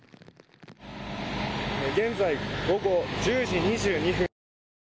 現在、午後１０時２２分です。